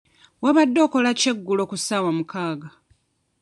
Wabadde okola ki eggulo ku ssaawa mukaaga?